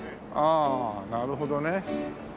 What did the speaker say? ああなるほどね。